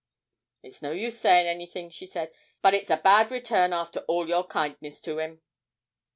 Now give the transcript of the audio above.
'It's no use saying anything,' she said; 'but it's a bad return after all your kindness to him.'